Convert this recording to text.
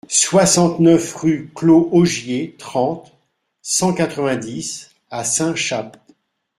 soixante-neuf rue Claux Augier, trente, cent quatre-vingt-dix à Saint-Chaptes